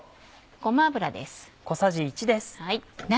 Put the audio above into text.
ごま油です。